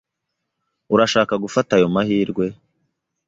Urashaka gufata ayo mahirwe?